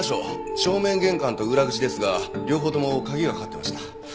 正面玄関と裏口ですが両方とも鍵がかかってました。